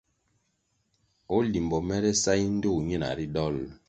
O Limbo mere sa yi ndtoh nyina ri dolʼ?